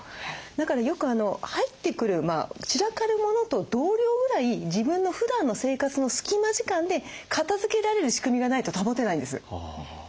だからよく入ってくる散らかるモノと同量ぐらい自分のふだんの生活の隙間時間で片づけられる仕組みがないと保てないんです。